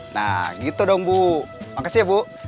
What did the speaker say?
nah gitu dong bu makasih ya bu